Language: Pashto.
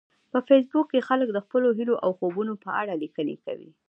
په فېسبوک کې خلک د خپلو هیلو او خوبونو په اړه لیکنې کوي